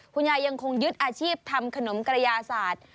ยังคงยึดอาชีพทำขนมกระยาศาสตร์